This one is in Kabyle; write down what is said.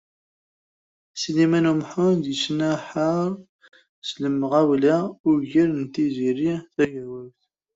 Sliman U Muḥ yettnahaṛ s lemɣawla ugar n Tiziri Tagawawt.